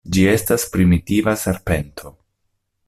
Ĝi estas primitiva serpento.